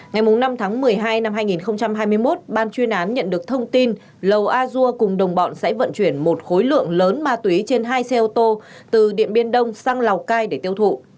ngày năm tháng một mươi hai năm hai nghìn hai mươi một ban chuyên án nhận được thông tin lầu a dua cùng đồng bọn sẽ vận chuyển một khối lượng lớn ma túy trên hai xe ô tô từ điện biên đông sang lào cai để tiêu thụ